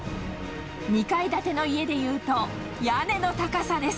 ２階建ての家でいうと、屋根の高さです。